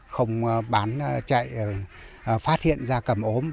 không bán chạy phát hiện gia cầm ốm